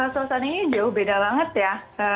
suasana ini jauh beda banget ya